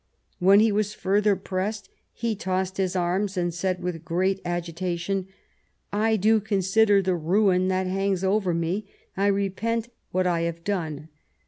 When he was further pressed he tossed his arms and said, with great agitation, " I do consider the ruin that hangs over me ; I repent what I have done.